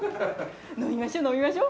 飲みましょう飲みましょう。